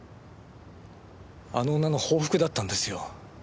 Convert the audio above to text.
あの女の報復だったんですよ。